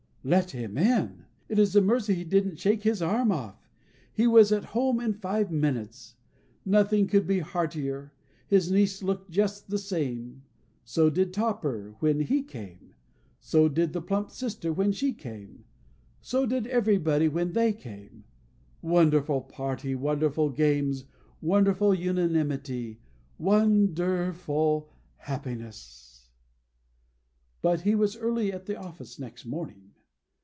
Let him in! It is a mercy he didn't shake his arm off. He was at home in five minutes. Nothing could be heartier. His niece looked just the same. So did Topper when he came. So did the plump sister when she came. So did everybody when they came. Wonderful party, wonderful games, wonderful unanimity, won der ful happiness! But he was early at the office next morning.